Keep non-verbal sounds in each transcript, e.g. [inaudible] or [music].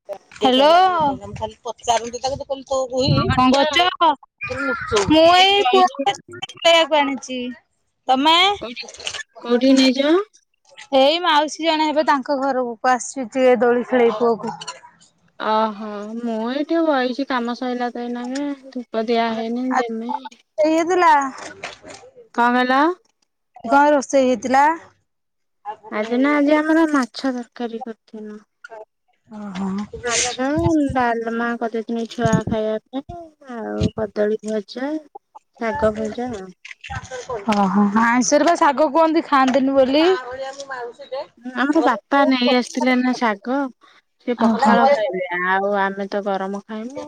Hello. କଁ କରୁଚ? କଣ ମୁଁ କରୁଛ? ଏଇ ପୁଅକୁ ଏଇ [unintelligible] ବଇଚି। ବୁଲେଇଆକୁ ଆଣିଚି। ତମେ? କୋଉଠି, କୋଉଠିକି ନେଇଯିବ? ଏଇ ମାଉସୀ ଜଣେ ହେବେ ତାଙ୍କ ଘରକୁ ଆସଛି ଟିକେ ଦୋଳି ଖେଳେଇ ପୁଅକୁ। ଅ ହଁଅଁ, ମୁଁ ଏଇ ଟିକେ ବଇଚି କାମ ସଇଲାତ ଏଇନାକେ। ଧୂପ ଦିଆ ହେଇନି ଦେମି। ଏଇଆ ଦେଲା। କଁ କଇଲ? କଁ ରୋଷେଇ ହେଇଥିଲା? ଆଜି ନା ଆଜି ଆମର ମାଛ ତରକାରୀ କରିଥିନୁ। [unintelligible] ଅଁ ହଁ ଆଚ୍ଛା। ଉଁ ଡାଲମା କରିଦେଇଥିନି ଛୁଆ ଖାଇବା ପାଇଁ ଆଉ କଦଳୀ ଭଜା, ଶାଗ ଭଜା ଆଉ। ଓହୋ! ହଁ ଆଇଁଷରେ ବା ଶାଗ କୁଅନ୍ତି ଖାଆନ୍ତିନି ବୋଲି। ନାଁ ହା ମୋ ଓହୋ ବାପା ନେଇ ଆସଥିଲେ ନା ଶାଗ ସେ ପଖାଳ ଖାଇ ଆଉ ଆମେ ତ ଗରମ ଖାଇମୁ,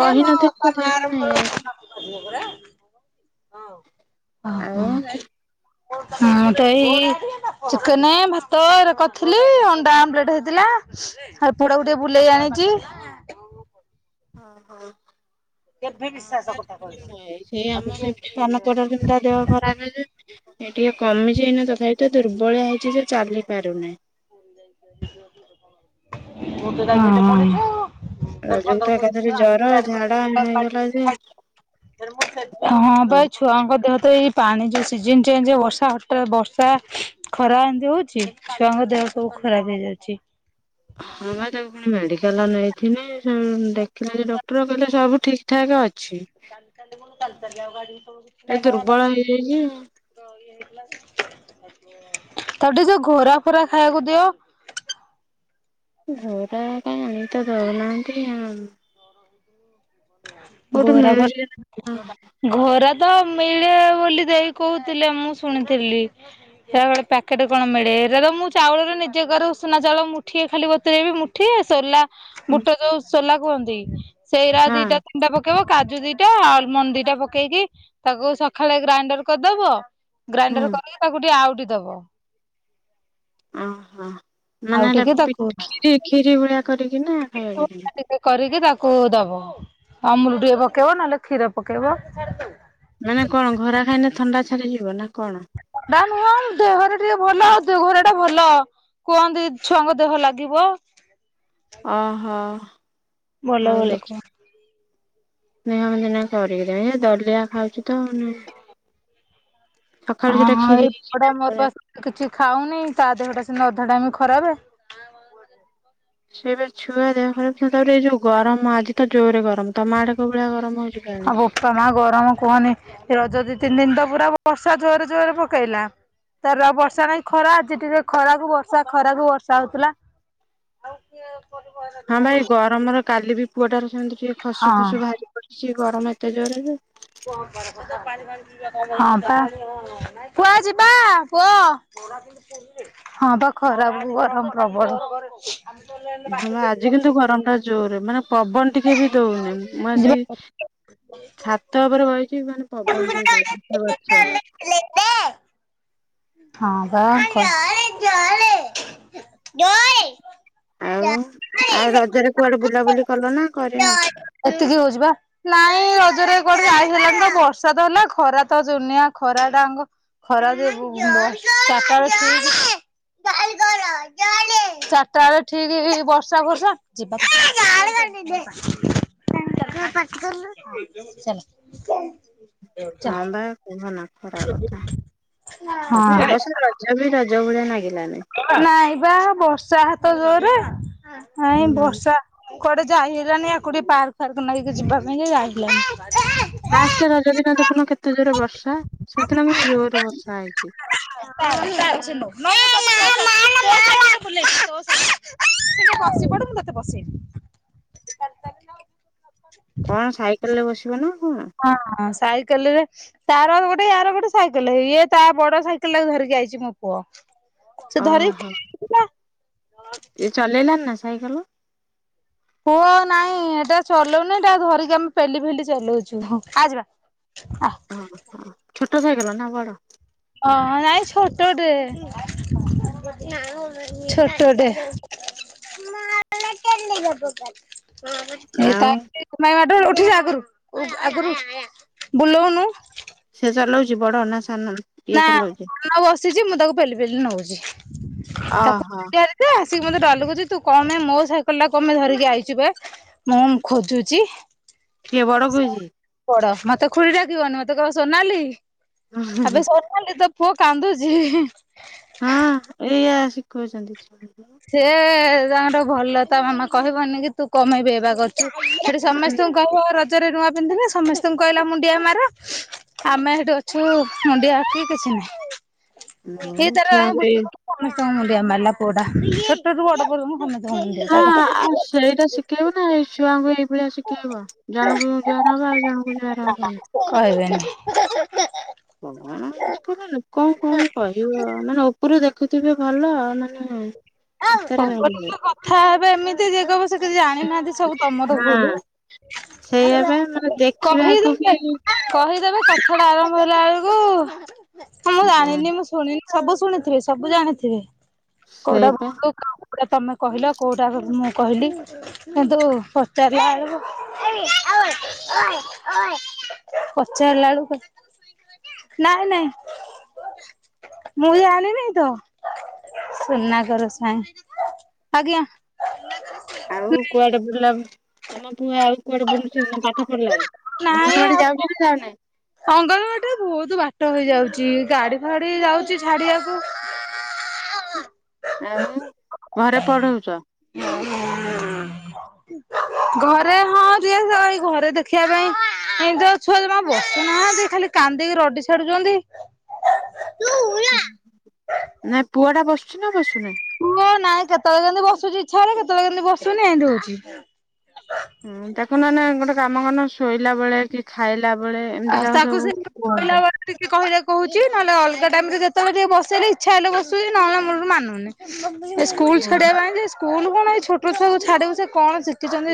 କହିନଥିଲି ତଥାପି ସେ ନେଇ ଆଇଲେ। ମୋଗରା, ହଁଅଁ ଅ ଆଉ ହ। ହଁଅଁ କେଇ ଇ ଇ ଚିକେନେ, ଭାତ ଏଗୁରା କରିଥିଲି ଅଣ୍ଡା ଆମ୍ଲେଟ ହେଇଥିଲା। ଆଉ ପୁଅଟାକୁ ଟିକେ ବୁଲେଇ ଆଣିଚି। ଓହୋଃ। ଅ ହୋ। [inaudible] ସେଇ ଆମର ସେଇ ସାନ ପୁଅଟାର ସେମିତି ତା ଦେହ ଖରାପ ହେଇଯାଏ। ଏ ଟିକେ କମିଚି ଏଇନା ତଥାପିତ ଦୁର୍ବଳିଆ ହେଇଚି ଯେ ଚାଲି ପାରୁନାଇଁ। ହଁ ହଁ। ରଜକୁ ତ ପନ୍ଦରପଡ଼ି [unintelligible] ଏକାଥରେ ଜର ଝାଡା ହେଇଗଲା ଯେ ହଁଅଁ ପା ହଁ ଛୁଆଙ୍କ ଦେହ ତ ଏଇ ପାଣି ଯେ ସିଜିନ୍ ଚେଞ୍ଜ ବର୍ଷା ହଟା ବର୍ଷା ଖରା ଏମତି ହଉଛି ଛୁଆଙ୍କ ଦେହ ସବୁ ଖରାପ୍ ହେଇଯାଉଛି। ହଁ ମ ତାକୁ ଫୁଣି ମେଡିକାଲ ନେଇଥିନେ ସେ ଉଁ ଦେଖିଲେ ଯେ ଡକ୍ଟର କହିଲେ ସବୁ ଠିକ୍ ଠାକ୍ ଅଛି। ଚାଲି ଚାଲି କଣ? ଚାଲି ଚାଲି ଆଉ ଗାଡି ଉଠୋଉନି ଏ ଦୁର୍ବଳ ହେଇଯାଇଛି। [unintelligible] ତାକୁଟିଏ ଯୋଉ ଘୋରା ଫୋରା ଖାଇଆକୁ ଦିଅ। ଘୋର କାଇଁ ଆଣିକିତ ଦୋଉନାହାନ୍ତି ଆଉ। କୋଉଠି ଘୋରା ଫୋ ମିଳୁଛି ହଁ ଘୋରା ତ ମିଳେ ବୋଲି ଦେଇ କୋହୁଥିଲେ ମୁଁ ଶୁଣିଥିଲି। ହେରା ଗୋଟେ ପ୍ୟାକେଟ କଣ ମିଳେ ହେରା ତ ମୁଁ ଚାଉଳରେ ନିଜେ କରେ ଉସୁନା ଚାଉଳ ମୁଠିଏ ଖାଲି ବତୁରେଇବି ମୁଁ ଠିଏ, ସୋଲା ବୁଟ ଯୋଉ ସୋଲା କୁହନ୍ତି ସେଇରା ଦି ହଁ ପକେଇବ କାଜୁ ଦିଟା ଆଲମଣ୍ଡ ଦିଟା ପକେଇକି ତାକୁ ସକାଳେ ଗ୍ରାଇଣ୍ଡର କରିଦବ। ହଁ ଗ୍ରାଇଣ୍ଡର କରିକି ତାକୁ ଟିକେ ଆଉଟି ଦବ। ଓହୋ ମାନେ ଏଟା ଆଉଟିକି ପି ତାକୁ କ୍ଷୀରି ଭଳିଆ କରିକି ନା ଖାଇବାକୁ ପି ଟିକେ କରିକି ତାକୁ ଦବ ଅମୁଲ ଟିକେ ପକେଇବ ନହେଲେ କ୍ଷୀର ପକେଇବ। ମାନେ କଣ ଘରା ଖାଇଲେ ଥଣ୍ଡା ଛାଡି ଯିବ ନା କଣ? ତା ନୁହଁ ଦେହରେ ଟିକେ ଭଲ ଦେହଘର ଟା ଭଲ। କୁହନ୍ତି ଛୁଆଙ୍କ ଦେହ ଲାଗିବ। ଓହୋ! ଭଲ ଆଉ ଭଲ ଦେଖି କୁହ। [unintelligible] ଦଲିଆ ଖାଉଛି ତ ନେ ହଁଁ ହଁ କ୍ଷୀରି ଏଇ ପୋଡ଼ା ମରିବା କିଛି ଖାଉନି ତା ଦେହ ଟା ସେ ଅଧା ଟା ଖରାପେ। ସେଇବେ ଛୁଆ ଦେହ ଖରାପ ଥିଲା ତାପରେ ଏଇ ଯୋଉ ଗରମ ଆଜି ତ ଜୋରେ ଗରମ। ତମା ଆଡେ କୋଉ ଭଳିଆ ଗରମ ହଉଛି ଆଉ କେଜାଣି ବୋପା ମାଆ ଗରମ କୁହନି ରଜ ଦି ତିନି ଦିନ ତ ପୁରା ବର୍ଷା ଜୋରରେ ଜୋରରେ ପକେଇଲା। ତାର ଆଉ ବର୍ଷା ନାଇଁ ଖରା ଆଜି ଟିକେ ଖରାକୁୁ ବର୍ଷା ଖରାକୁୁ ବର୍ଷା ହଉଥିଲା। ହଁ ଭାଇ ଗରମର କାଲି ବି ପୁଅଟାରୁ ସେମିତି ଟିକେ ହଁ। ଖସୁ ଫସୁ ବାହାରି ଛି ଗରମ ଏତେ ଜୋରରେ ଯେ ହଁ ପା। ପୁଅ ଆ ଯିବା ପୁଅ ହଁ ବା ଖରାପକୁ ଗରମ ପ୍ରବଳ ହଁ ବା ଆଜି କିନ୍ତୁ ଗରମ ଟା ଜୋରରେ ମାନେ ପବନ ଟିକେ ବି ଦଉନି ମୁଁ ହଁ ବା ଆସିକି ଛାତ ଉପରେ ବଇଛି ମାନେ ପବନ ଟିକେ ଦଉ ଗଛ ଲେ ଦେ ହଁ ପା ଆଁ ଜୋରରେ ଜୋରରେ ଜୋରରେ ଆଉ ଆଉ ରଜ କୁଆଡେ ବୁଲାବୁଲି କଲ ନା କରିନ? ଏତିକି ହଉଛି ବା। ନାଇଁ ରଜରେ କୁଆଡ଼େ ଯାଇ ହେଲାନି ତ ବର୍ଷା ତ ହେଲା ଖରା ତ ଜୁନିଆ ଖରା ଟାଙ୍ଗ [unintelligible] [unintelligible] ଚାରିଟା ବେଳେ ଠିକକି ବର୍ଷା ଫର୍ଷା [unintelligible] [inaudible] [unintelligible] ରଜ ବି ରଜ ଭଳିଆ ନାଗିଲାନି। ନାଇଁ ବା ବର୍ଷା ହାତ ଜୋରରେ ନାଇଁ ହୁଁ ବର୍ଷା କୁଆଡେ ଯାଇ ହେଲନି ୟାକୁଟି ପାର୍କ ଫାର୍କ ନେଇକି ଯିବା ପାଇଁ ଯେ ଯାଇହେଲାନି। ଲାଷ୍ଟେ ରଜ ଦିନ ଦେଖୁନ କେତେ ଜୋରରେ ବର୍ଷା ସେଦିନ କିନ୍ତୁ ଜୋରରେ ବର୍ଷା ହେଇଛି। [unintelligible] [unintelligible] ବସିପଡୁ ମୁଁ ତତେ ପସେଇବି। କଣ ସାଇକେଲ ରେ ବସିବ ନା କଣ? ହଁ ହଁ ସାଇକେଲରେ ତାର ଗୋଟେ ୟାର ଗୋଟେ ସାଇକେଲ ଇଏ ତା ବଡ ସାଇକେଲ ଟାକୁ ଧରିକି ଯାଇଛି ମୋ ପୁଅ। ସେ ଧରିକି ଓହୋ ଖେଳୁଥିଲା ଏ ଚଲେଇଲାଣି ନା ସାଇକେଲ? ହୁଅ ଆଉ ନାଇଁ ଏଟା ଚଲଉନି ଏଟାଉ ଧରିକି ଆମେ ପେଲି ଫେଲି ଚଲଉଛୁ ଆ ଯିବା ଅ ଓହ ଛୋଟ ସାଇକେଲ ନା ବଡ ହଁ ନାଇଁ ଛୋଟଟେ ଛୋଟଟେ ହୁଁ ହୁଁ ଏ ତା ଆଉ କୁ ମାଇ ମାଡଗୋଳ ଉଠିଯା ଆଗରୁ ଆଗରୁ ବୁଲଉନୁ। ସେ ଚଲାଉଛି ବଡ ନା ସାନ। ଇଏ ନା ଚଲଉଛି? ସାନ ବସିଛି ମୁଁ ତାକୁ ପେଲି ପେଲି ନଉଛି ତାକୁ ଓହୋ [inaudible] ସେ ଆସିକି ମତେ ଡଲ କୋଉଛି ତୁ କନ୍ ନାଇଁ ମୋ ସାଇକେଲ ଟା କମାଇଁ ଧରିକି ଆଇଚୁବେ। ମୁଁ ଖୋଜୁଚି। କିଏ ବଡ କୋଉଚି। ବଡ ମତେ ଖୁଡ଼ି ଡାକିବନି ମତେ କହବ ସୋନାଲି ଆବେ ସୋନାଲି ତୋ ପୁଅ କାନ୍ଦୁଛି। ହଁ ଏଇଆ ଶିଖଉଛନ୍ତି। ସିଏ ତାଙ୍କର ଭଲ ତା ମାମା କହିବନି କି ତୁ କପାଇଁ ବେ ବା କରୁଛୁ ସେଠି ହୁଁ। ସମସ୍ତଙ୍କୁ କହିବ ରଜରେ ନୂଆ ପିନ୍ଧିଲେ ସମସ୍ତଙ୍କୁ କଇଲା ମୁଣ୍ଡିଆ ମାର। ଆମେ ହେଠୁ ଅଛୁ ମୁଣ୍ଡିଆ ଠି କିଛି ନାଇଁ। ସିଏ ହୁଁ ତାର ଯାଇ ଛୁଆଙ୍କୁ ଏଇ ବୁଲି ବୁଲି ମୁଣ୍ଡିଆ ମାରିଲା ପୁଅ ଟା ଛୋଟରୁ ବଡ ପର୍ଜନ୍ତ ହଁ ସମ୍ ଆଉ [inaudible] ସେଇଟା ଶିଖେଇବ ନା ଏଇ ଛୁଆଙ୍କୁ ଏଇ ଭଳିଆ ଶିଖେଇବ ଜଣଙ୍କୁ ଜୁହାର ହବ ଆଉ ଜଣଙ୍କୁ ଜୁହାର ହବନି। ସେ କହିବେନି। [inaudible] କୋଳ ଲୋକଙ୍କୁ କଣ କହିବ ମାନେ ଉପରୁ ଦେଖୁଥିବେ ଭଲ ମାନେ ଭିତରେ ଭାରି ଇଏ। [unintelligible] କଥା ହେବେ ଏମିତି ଯେ କହିବ ସେ କିଛି ଜାଣିନାହାନ୍ତି ସବୁ ତମର ଭୁଲ। ସେୟାବା ମାନେ ଦେଖିବାକୁ କହିଦେବେ ବି କହିଦେବେ କଥା ଟା ଆରମ୍ଭ ହେଲା ବେଳକୁ ମୁଁ ଜାଣିନି ମୁଁ ଶୁଣିନୁ ସବୁ ଶୁଣିଥିବେ ସବୁ ଜାଣିଥିବେ କୋଉଟା ସେଇପା। [inaudible] କୋଉଟା ତମେ କହିଲ କୋଉଟା ର ମୁଁ କହିଲି ହେଟୁ ପଚାରିଲା ଆଳକୁ [inaudible] ପଚାରଲା ବେଳକୁ ନାଇଁ ନାଇଁ ମୁଁ ବି ଯାଣିନି ତ ସୁନା ଘର ସାଁ ଆଜ୍ଞା। ଆଉ କୁଆଡେ ବୁଲା ବୁ ତମ ପୁଅ ଆଉ କୁଆଡେ ବୁଲୁଚି ନା ପାଠ ପଢିଲାଣି ଅଙ୍ଗନବାଡି ଯାଉଛି ନା ଯାଉନେଇ। ଅଙ୍ଗଲବାଡିରେ ବହୁତ ବାଟ ହେଇଯାଉଛି ଗାଡି ଫାଡି ଯାଉଛି ଛାଡିବାକୁ ଆଉ ଘରେ ପଢଉଚ। ଘରେ ହଁ ସିଏ ସ ଏଇ ଘରେ ଦେଖିବା ପାଇଁ ଏମିତି ଆଉ ଛୁଆ ଜମା ବସୁନାହାନ୍ତି ଖାଲି କାନ୍ଦିକି ରଡି ଛା ଛାଡୁଚନ୍ତି। [inaudible] ନା ପୁଅ ଟା ବସୁଛି ନା ବସୁନେହିଁ। ପୁଅ ନାଇଁ କେତେବେଳେ କେମିତି ବସୁଛି ଇଚ୍ଛା ହେଲେ କେତେବେଳେ କେମିତି ବସୁନି ଏମିତି ହଉଚି। ହୁଁ ଦେଖୁ ନହେନେ ଗୋଟେ କାମ କରୁନ ଶୋଇଲା ବେଳେ କିଛି ଖାଇଲା ବେଳେ ଏମିତି ଆଉ ତାକୁ ସେ ସବୁ କହିଲା କୁହନ୍ତୁ। ବେଳେ ଟିକେ କହିଲେ କହୁଛି ନହେଲେ ଅଲଗା ଟାଇମରେ ଯେତବେଳେ ଟିକେ ବସେଇଲେ ଇଚ୍ଛା ହେଲେ ବସୁଛି ନହେଲେ ମୁଳୁରୁ ମାନୁନି। ଏ ସ୍କୁଲ ଛାଡିବା ପାଇଁ ଯେ ସ୍କୁଲ କଣ ଏଇ ଛୋଟ ଛୁଆ ଙ୍କୁ ଛାଡ଼ିବୁ ସେ କଣ ସି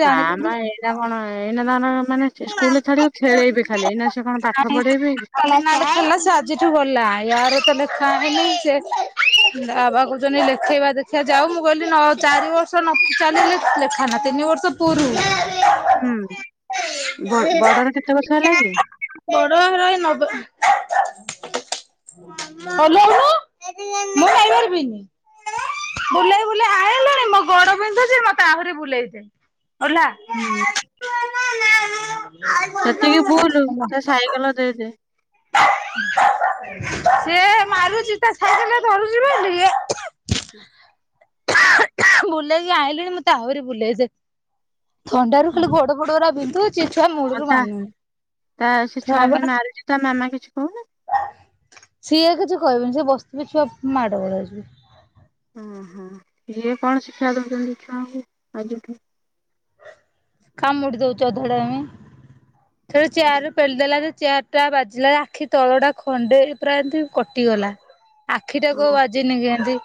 ନାମ ଏଇନା କଣ ଏଇନା ତାଙ୍କର ମାନେ ସେ ଥିଲା ସ୍କୁଲେ ଛାଡ଼ିବ ଖେଳେଇବେ ଖାଲି ଏଇନା ସେ କଣ ପାଠ ପଢେଇବେ କି? [inaudible] ହେଲା ସେ ଆଜିଠୁ ଗଲା ୟାର ତ ଲେଖା ହେଇନି ସେ ତା ବାବା କହୁଛନ୍ତି ଲେଖେଇବା ଦେଖିଆ ଯାଉ ମୁଁ କହିଲି ନ ଚାରି ବର୍ଷ ନ ଚାଲିଲେ ଲେଖା ନା ତିନି ବର୍ଷ କୁରୁ ହୁଁ ବର୍ଡର କେତେ ବଛ ହେଲା କି। ବଡ ର ନବେ ମୁଁ କହିପାରିବିନି। ବୁଲେଇ ବୁଲେଇ ଆଇିଲୁଣି ମୋ ଗୋଡ ବିନ୍ଧୁଛି ମତେ ଆହୁରି ବୁଲେଇଛି। ଓଲା। ହୁଁ। ମ ମା। ସେତିକି ବୁଲୁ ସେ ସାଇକେଲ ଦେଇଦେ। ସେ ମାରୁଛି ତା ସାଇକେଲ ଧରୁଛି ଟିକେ ବୁଲେଇକି ଆଣିଲିଣି ମୁଁ ତାହୁରି ବୁଲେଇଛେ ଥଣ୍ଡାରୁ ଖାଲି ଗୋଡ। ମୋଡା ବିନ୍ଧୁଛି ଛୁଆ ମୋଡରୁ ତା ମାନୁ ତା ସେ ଛୁଆ ଏମିତି ଥୁଆବା। ମାରୁଛି ତା ମାମା କିଛି କହୁନ ସିଏ କିଛି କହିବନି ସେ ବସିବ ଛୁଆ ମାଡ ଗୋଳ ଯିବ। ଓହୋ ଯିଏ କଣ ଶିକ୍ଷା ଦଉଛନ୍ତି ଛୁଆଙ୍କୁ ଆଜିଠୁ। କାମୁଡି ଦଉଛଧଡ ଆମେ ଚେୟାର ପେଲିଦଲା ଚୟାର ଜା ବାଜିଲା ଆଖି ତଳ ଟା ଖଣ୍ଡେ ପୁରା ଏମତି କଟିଗଲା ଆଖିଟା କୋଉ ହଁ ବା ଜିନି କହନ୍ତି।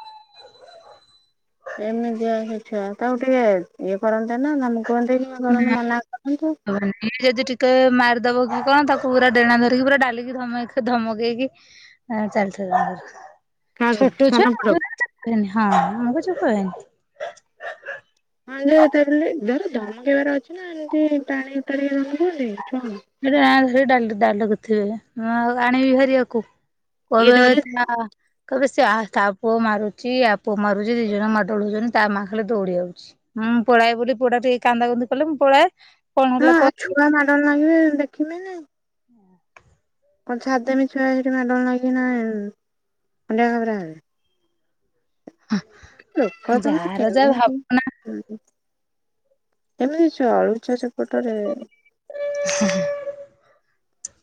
ଏମିତିଆସଛୁଆ ଆଉ ଟିକେ ଇଏ କରନ୍ତେ ନା ତମ କୁହନ୍ତି। ହୁଁ ହ ଆମେ ଯଦି ଟିକେ ମାରିଦବ କି କଣ ତାକୁ ପୁରା ଡେଣା ଧରିକି ପୁରା ଡାଲିକି ଧ ଧମକେଇକି ହଁ ଚାଲଚି। କାହାକୁ ସାନ ପୁଅଟାକୁ? ଛୋଟଛୁଆନି ହଁ ଆମକୁ ଚପ ହ ମୁ କିଛି କୁହେନି। ହଁ ଯେିଲ ଧର ଦମ କେବାର ଅଛି ନା ଏମିତି ପାଣିତାିକ ଦମ କୁହନ୍ତି ଛୁଆ। ସେଟା ସୋ ଡାଲ କରିୁଥିବେ ଆଣିବି ଭାରିବାକୁ ଇଏ କବେ ଡରେ କହିବେ ସେ ତା ପୁଅ ମାରୁଛି ପୁଅ ମାରୁଛି ଦି ଜଣ ମାଡଳ ହଉଛନ୍ତି ତା ମାଆ ଖ ଦୌଡି ଯାଉଛି। ହୁଁ ପଳଳାଏ ବୋଲି ପଡା ଟିକେ କାନ୍ଦା କନ୍ଦି କଲେ ମୁଁ ପଳାାଏ ହଁ ଆଉ ଛୁଆ ମାଡନ୍ ଲାଗିବେ ଦେଖିବେ ନାଇ। ହୁଁ। କଣ ଛାଦ ମିଛିବା ସେଠି ମେଡଲ ଲାଗି ନା ଅଣ୍ଡିଆ ଖାବରାରେ ହେବେ। ଯାହାର ଯାହା ଭାବନା। ହୁଁ ଏମିତିଛୁ ଅଳୁ ଚା ସେପଟରେ।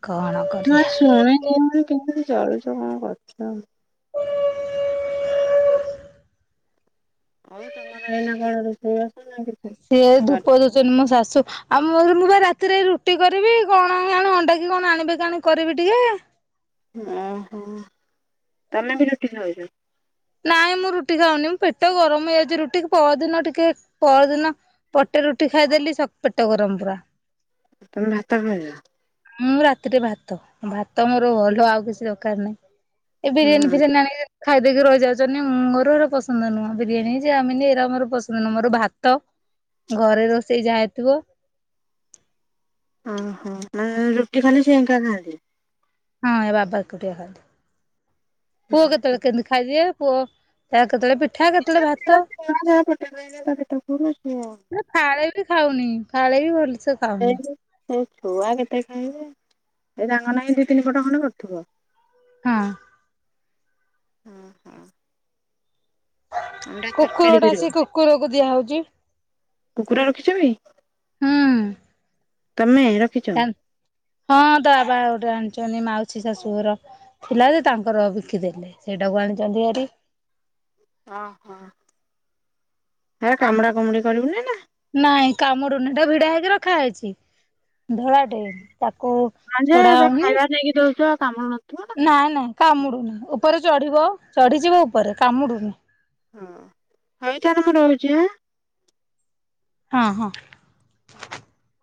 କଣ। ନା କରିବା ଶୁଣି ଶୁଣୁଣି କେମିତି ଚଳୁଛ କଣ କରୁଛ। ହଉ ତମର ଏଇନା କଣ ରୋଷେଇ ବସ ନା କିଛି? ସିଏ ଧୁପ ଦଛନ୍ତିନ ମୋ ଶାଶୁ। ଆଉ ମୁଁ ବା ରାତିରେ ରୁଟି କରିବି କଣଣ ଅଣ୍ଡା କିି କଣ ଆଣିବେ କିଣି କରିବି ଟିକେ। ଓହୋ ତମେ ବି ରୁଟିିକ ଖାଉଛ। ନାଇଁ ମୁଁ ରୁଟି ଖାଉନି ମୁଁ ପେଟ ଗରମ ହେଇଯାଉଛି ରୁଟି ପରଦିନ ଟିକେ ପରଦିନ ପଟେ ରୁଟି ଖାଇଦେଲି ପେଟ ଗରମ ପୁରା। ତମେ ଭାତର ଖାଉଛ। ମୁଁ ରାତିରେ ଭାତ ଭାତ ମୋର ଭଲ ଆଉ କିଛି ଦରକାର ନାହିଁ ଏ ବିରିୟାନୀ ହୁଁ ଫିରିୟାନୀ ଆଣି। ଖାଇଦକି ରହିଯାଉଛନ୍ତି ମୋର ଏ ପସନ୍ଦ ନୁହଁ ବିରିୟାନୀ ଯେ ଚାମିନି ଏଇଟ ମୋର ପସନ୍ଦ ନୁହଁ ମୋର ଭାତ। ଘରେ ରୋଷେଇ ଯାାଇଥିବ। ଓହୋ ରୁଟି ଖାଲି ସେ ଏକାଖାଆନ୍ତି। ହଁ ଏ ବାବା ଏକୁଟିଆ ଖାଆନ୍ତି। ପୁଅ କେତେବେଳେ କେମତି ଖାଇଦିଏ। ପୁଅ ତା କେତେବେଳେ ପିଠା କେ [unintelligible] ନା ଫାଳେ ବି ଖାଉନି। ଫାଳେ ବି ଭଲସେ ସେ ଖାଉନି। ସେଇ ଛୁଆ କେତେ ଖାଇବେ। ଏଇ ତାଙ୍କ ନାଗି ଦି ତିନି ପଟ ଖଣ୍ଡ କରୁଥିବ। ହଁ। ଅଣ୍ଡା ତରକାରୀ କୁକୁରଟା କରିବ ଆସି କୁକୁରକୁ ଦିଆହଉଛି। କୁକୁର ରଖିଛନ୍ତି? ହୁଁ। ତମେ ରଖି ହଁ ତ ବାବା ଗୋଟେ ଆଣିଛନ୍ତି ମାଉସୀ ଶାଶୁ ଘର ଥିଲା ଯେ ତାଙ୍କର ବିକିଦେଲେ। ସେଇଟାକୁ ଆଣିଛନ୍ତି ଆରି ଓହୋ, ସେରା କାମୁଡା କାମୁଡି କରିବୁନି ନା? ନାଇଁ କାମୁଡୁନି ହେଟା ଭିଡା ହେଇକି ରଖାହେଇଛି। ଧଳା ଟେ ତାକୁ ହଁ ଯେ ଛଡାହୋଉନି। ଖାଇବା ନେଇକି ଦଉଛ କାମୁଡୁ ନଥିବ ନା। ନାଇଁ ନାଇଁ କାମୁଡୁନି ଉପରେ ଚଢିବ। ଚଢ଼ିଯିବ ଉପରେ କାମୁଡ଼ୁନି। ହଁ, ହଉ ତାହାଲେ ମୁଁ ରହୁଛି ହା। ହଁ ହଁ [inaudible]